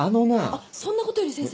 あっそんなことより先生。